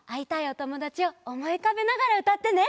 おともだちをおもいうかべながらうたってね！